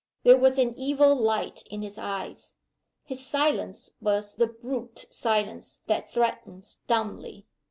There was an evil light in his eyes; his silence was the brute silence that threatens dumbly.